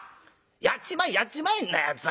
やっちまえやっちまえんなやつは。